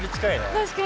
確かに。